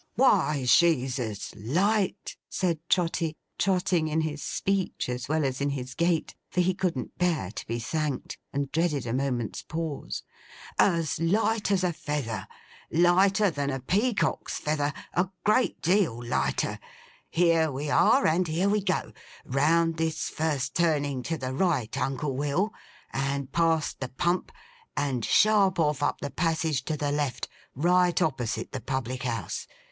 'Why, she's as light,' said Trotty, trotting in his speech as well as in his gait; for he couldn't bear to be thanked, and dreaded a moment's pause; 'as light as a feather. Lighter than a Peacock's feather—a great deal lighter. Here we are and here we go! Round this first turning to the right, Uncle Will, and past the pump, and sharp off up the passage to the left, right opposite the public house.